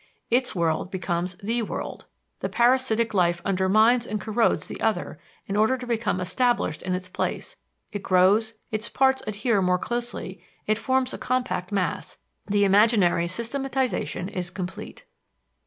Its world becomes the world. The parasitic life undermines and corrodes the other in order to become established in its place it grows, its parts adhere more closely, it forms a compact mass the imaginary systematization is complete.